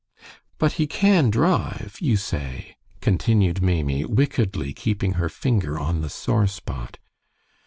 "But he can drive, you say," continued Maimie, wickedly keeping her finger on the sore spot.